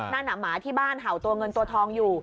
นั่นหมาที่บ้านเห่าตัวเงินตัวทองอยู่